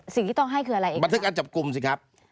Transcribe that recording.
สิ่งที่ต้องให้คืออะไรเองบันทึกการจับกลุ่มสิครับ